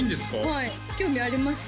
はい興味ありますか？